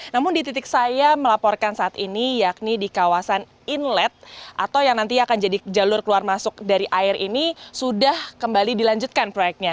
namun di titik saya melaporkan saat ini yakni di kawasan inlet atau yang nanti akan jadi jalur keluar masuk dari air ini sudah kembali dilanjutkan proyeknya